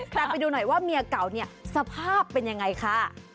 แต่ไปดูหน่อยว่าเมียเก่าสภาพเป็นอย่างไรคะ